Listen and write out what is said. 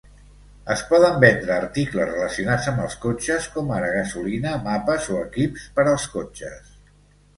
Es poden vendre articles relacionats amb els cotxes, com ara gasolina, mapes o equips per als cotxes.